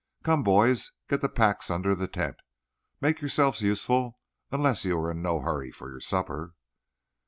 Come, boys, get the packs under the tent. Make yourselves useful unless you are in no hurry for your supper."